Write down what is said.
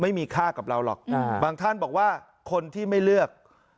ไม่มีค่ากับเราหรอกบางท่านบอกว่าคนที่ไม่เลือก